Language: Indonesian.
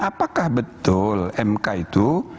apakah betul mk itu